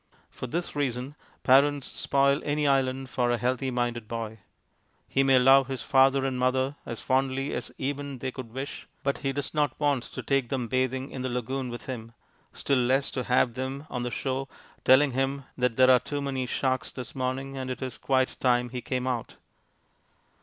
For this reason parents spoil any island for a healthy minded boy. He may love his father and mother as fondly as even they could wish, but he does not want to take them bathing in the lagoon with him still less to have them on the shore, telling him that there are too many sharks this morning and that it is quite time he came out.